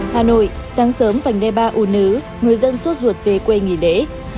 hà nội sáng sớm vành đe ba u nữ người dân xuất ruột về quê nghỉ lễ